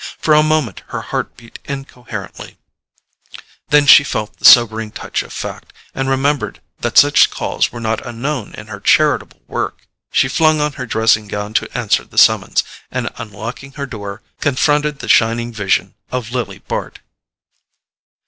For a moment her heart beat incoherently, then she felt the sobering touch of fact, and remembered that such calls were not unknown in her charitable work. She flung on her dressing gown to answer the summons, and unlocking her door, confronted the shining vision of Lily Bart.